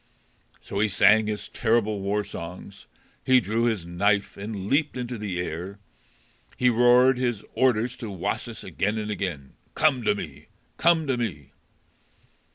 So he sang his terrible war songs; he drew his knife and leaped into the air; he roared his orders to Wasis again and again. "Come to me: come to me!"